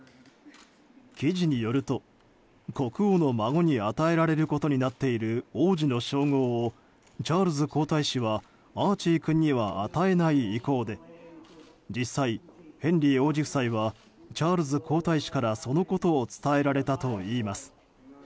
記事によると国王の孫に与えられることになっている王子の称号をチャールズ皇太子はアーチー君には与えない意向で実際、ヘンリー王子夫妻はチャールズ皇太子からそのことを伝えられたといいます。